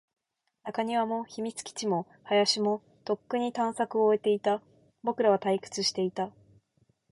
中庭も、秘密基地も、林も、とっくに探索を終えていた。僕らは退屈していた。